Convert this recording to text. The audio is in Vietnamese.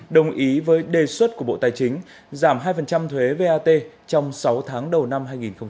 đồng ý với đề xuất của bộ tài chính giảm hai thuế vat trong sáu tháng đầu năm hai nghìn hai mươi